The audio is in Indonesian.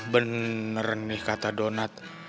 bener nih kata donat